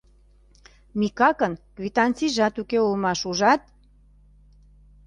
Микакын квитанцийжат уке улмаш, ужат?!